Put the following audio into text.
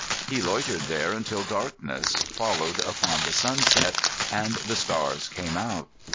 He loitered there until darkness followed upon the sunset, and the stars came out.